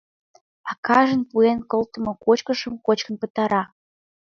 Акажын пуэн колтымо кочкышым кочкын пытара.